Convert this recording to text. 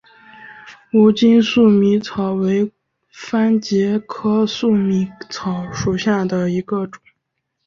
无茎粟米草为番杏科粟米草属下的一个种。